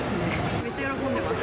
めっちゃ喜んでます。